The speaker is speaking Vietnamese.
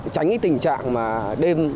tránh cái tình trạng mà đêm